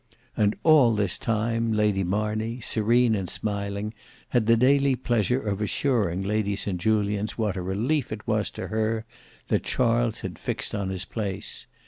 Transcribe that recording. And all this time, Lady Marney, serene and smiling, had the daily pleasure of assuring Lady St Julians what a relief it was to her that Charles had fixed on his place.